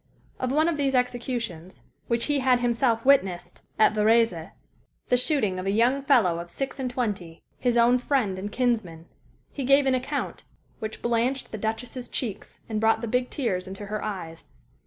Of one of these executions, which he had himself witnessed at Varese the shooting of a young fellow of six and twenty, his own friend and kinsman he gave an account which blanched the Duchess's cheeks and brought the big tears into her eyes.